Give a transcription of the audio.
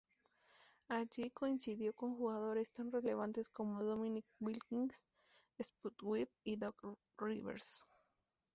Allí coincidió con jugadores tan relevantes como Dominique Wilkins, Spud Webb, y Doc Rivers.